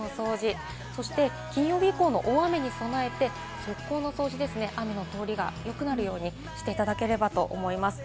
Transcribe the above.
フィルターの掃除、そして金曜日以降の大雨に備えて、側溝の掃除、雨の通りがよくなるようにしていただければと思います。